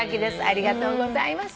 ありがとうございます。